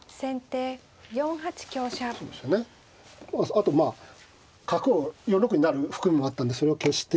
あとまあ角を４六に成る含みもあったんでそれを消して。